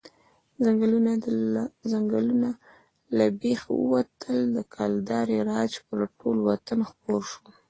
ځنګلونه له بېخه ووتل، د کلدارې راج پر ټول وطن خپور شو.